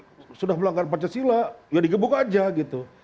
kata wah ini sudah melanggar pancasila ya digebuk aja gitu